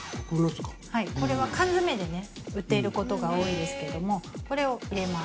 これは缶詰で売っていることが多いですけれどもこれを入れます。